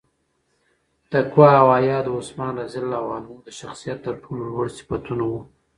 تقوا او حیا د عثمان رض د شخصیت تر ټولو لوړ صفتونه وو.